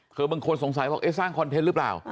คือบางคนสงสัยบอกเอ๊ะสร้างคอนเทนต์หรือเปล่า